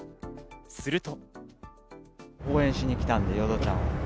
すると。